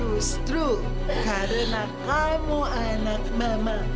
justru karena kamu anak meme